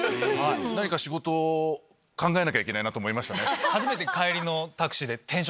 何か仕事を考えなきゃいけないなと思いました。